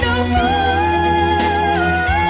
แน่แน่รู้เหรอ